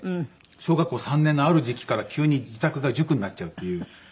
小学校３年のある時期から急に自宅が塾になっちゃうっていう。